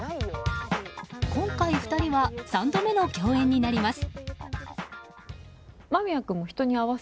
今回２人は３度目の共演になります。